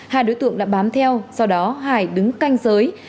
hai đối tượng đã bám theo sau đó hải đứng canh giới